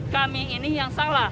kami ini yang salah